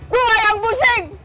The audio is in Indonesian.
gua yang pusing